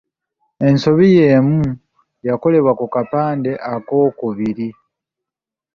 Ensobi y’emu yakolebwa ku kapande akookubiri